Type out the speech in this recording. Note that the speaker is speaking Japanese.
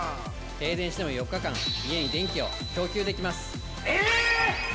停電しても４日間家に電気を供給できます！